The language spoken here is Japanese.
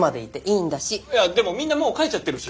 いやでもみんなもう帰っちゃってるし。